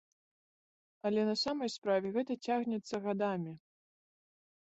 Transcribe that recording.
Але на самай справе гэта цягнецца гадамі.